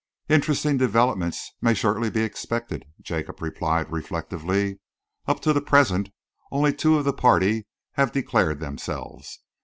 "Interesting developments may shortly be expected," Jacob replied reflectively. "Up to the present, only two of the party have declared themselves.